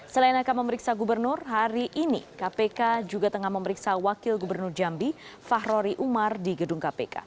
selain akan memeriksa gubernur hari ini kpk juga tengah memeriksa wakil gubernur jambi fahrori umar di gedung kpk